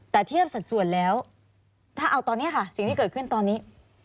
แต่เทียบสัดส่วนแล้วถ้าเอาตอนนี้ค่ะสิ่งที่เกิดขึ้นตอนนี้